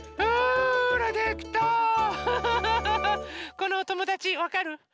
このおともだちわかる？